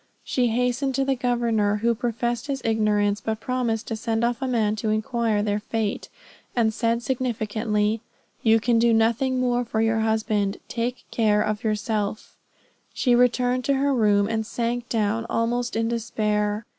She hastened to the governor, who professed his ignorance, but promised to send off a man to inquire their fate; and said significantly, "You can do nothing more for your husband; take care of yourself." She returned to her room, and sank down almost in despair.